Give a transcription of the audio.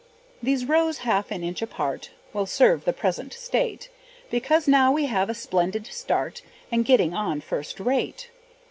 These rows, half an inch apart, Will serve the present state, Because now we have a splendid start, And getting on first rate.